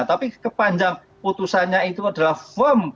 tapi kepanjang putusannya itu adalah firm